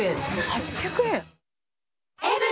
８００円？